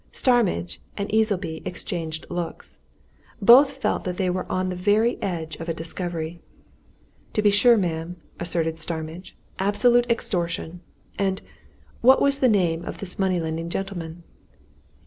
Starmidge and Easleby exchanged looks. Both felt that they were on the very edge of a discovery. "To be sure, ma'am," asserted Starmidge. "Absolute extortion! And what is the name of the money lending gentleman?"